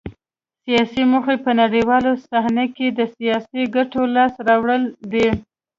سیاسي موخې په نړیواله صحنه کې د سیاسي ګټو لاسته راوړل دي